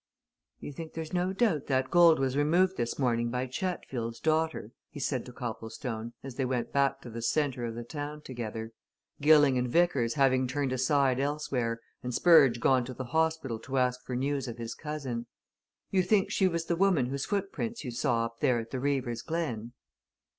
"You think there's no doubt that gold was removed this morning by Chatfield's daughter?" he said to Copplestone as they went back to the centre of the town together, Gilling and Vickers having turned aside elsewhere and Spurge gone to the hospital to ask for news of his cousin. "You think she was the woman whose footprints you saw up there at the Beaver's Glen?"